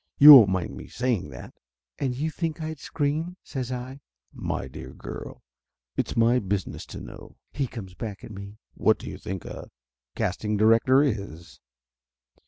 You won't mind me saying that?" "And you think I'd screen?" says I. "My dear girl, it's my business to know !" he comes back at me. "What do you think a casting director is?"